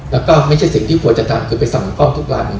แล้วก็ไม่ใช่สิ่งที่ควรจะทำคือไปสั่งกล้องทุกรัง